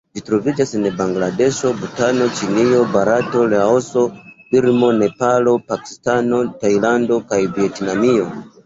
Ĝi troviĝas en Bangladeŝo, Butano, Ĉinio, Barato, Laoso, Birmo, Nepalo, Pakistano, Tajlando kaj Vjetnamio.